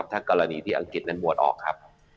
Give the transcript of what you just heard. ถ้ากรณีที่อังกฤษนั้นบวชออกครับ